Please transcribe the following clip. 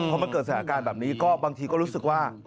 พอมันเกิดสถานการณ์แบบนี้ก็บางทีก็รู้สึกว่า